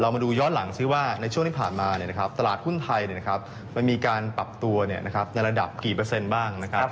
มาดูย้อนหลังซิว่าในช่วงที่ผ่านมาตลาดหุ้นไทยมันมีการปรับตัวในระดับกี่เปอร์เซ็นต์บ้างนะครับ